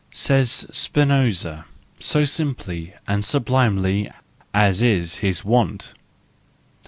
says Spinoza, so simply and sublimely, as is his wont.